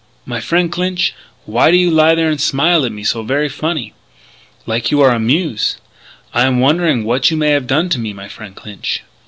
My frien' Clinch, why do you lie there an' smile at me so ver' funny ... like you are amuse?... I am wondering what you may have done to me, my frien' Clinch...."